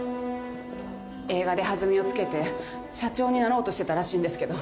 映画で弾みをつけて社長になろうとしてたらしいんですけど。